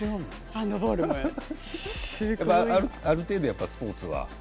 ある程度スポーツは？